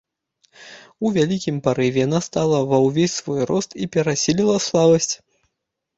У вялікім парыве яна стала ва ўвесь свой рост і перасіліла слабасць.